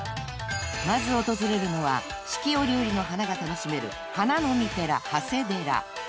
［まず訪れるのは四季折々の花が楽しめる花のみ寺］